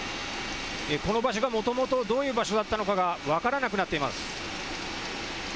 この場所がもともとどういう場所だったのかが分からなくなっています。